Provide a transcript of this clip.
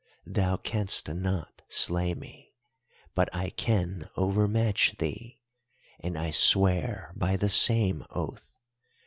Thou canst not slay me, but I can over match thee, and I swear by the same oath!